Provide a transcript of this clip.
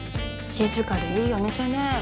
静かでいいお店ね。